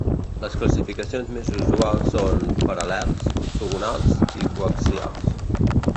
Les classificacions més usuals són: paral·lels, ortogonals i coaxials.